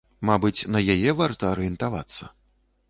Мабыць, на яе варта арыентавацца.